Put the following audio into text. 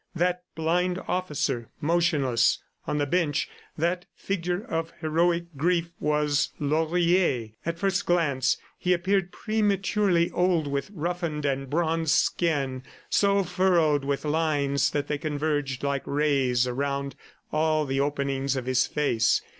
That blind officer motionless on the bench, that figure of heroic grief, was Laurier! ... At first glance, he appeared prematurely old with roughened and bronzed skin so furrowed with lines that they converged like rays around all the openings of his face.